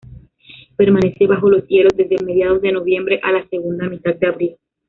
Permanece bajo los hielos desde mediados de noviembre a la segunda mitad de abril.